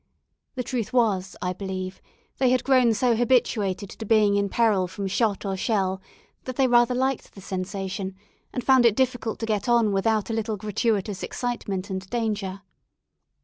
The truth was, I believe, they had grown so habituated to being in peril from shot or shell, that they rather liked the sensation, and found it difficult to get on without a little gratuitous excitement and danger.